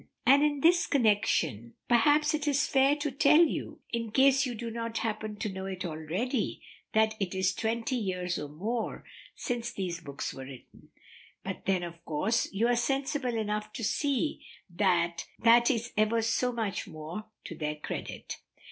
And in this connection perhaps it is fair to tell you, in case you do not happen to know it already, that it is twenty years and more since these books were written; but then of course you are sensible enough to see that that is ever so much more to their credit.